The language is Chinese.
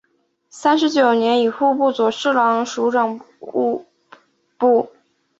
三十九年以户部左侍郎署掌部务。